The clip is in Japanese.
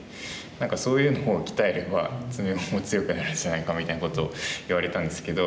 何かそういうのを鍛えれば詰碁も強くなるんじゃないかみたいなことを言われたんですけど。